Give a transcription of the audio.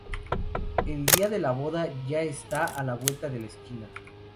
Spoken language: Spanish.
El día de la boda ya está a la vuelta de la esquina